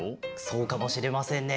そうかもしれませんね。